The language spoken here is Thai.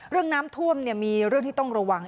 เรื่องน้ำท่วมมีเรื่องที่ต้องระวัง